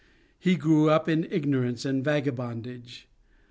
He grew up in ignorance and vagabondage.